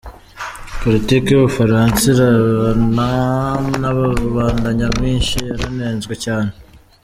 Politiki yu Bufaransa irebana naba rubanda nyamwinshi yaranenzwe cyane.